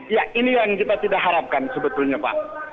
ya ini yang kita tidak harapkan sebetulnya pak